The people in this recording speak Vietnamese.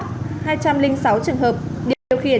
hai trăm linh sáu trường hợp điều khiển